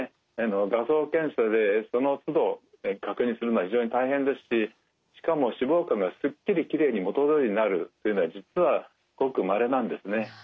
画像検査でそのつど確認するのは非常に大変ですししかも脂肪肝がすっきりきれいに元どおりになるというのは実はごくまれなんですね。